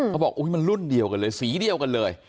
เขาบอกมันรุ่นเดียวกันเลยสีเดียวกันเลย